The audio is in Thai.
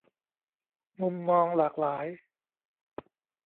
'มุมมองหลากหลาย'